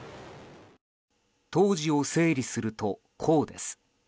当時を整理すると、こうです。